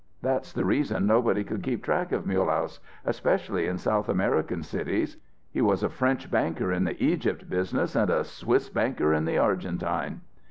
That's the reason nobody could keep track of Mulehaus, especially in South American cities. He was a French banker in the Egypt business and a Swiss banker in the Argentine."